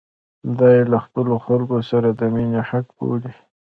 دا یې له خپلو خلکو سره د مینې حق بولي.